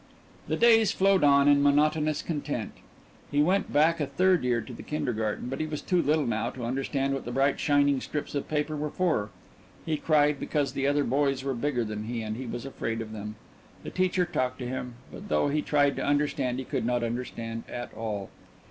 The days flowed on in monotonous content. He went back a third year to the kindergarten, but he was too little now to understand what the bright shining strips of paper were for. He cried because the other boys were bigger than he, and he was afraid of them. The teacher talked to him, but though he tried to understand he could not understand at all.